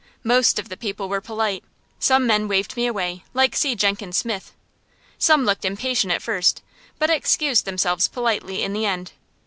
Most of the people were polite. Some men waved me away, like C. Jenkins Smith. Some looked impatient at first, but excused themselves politely in the end.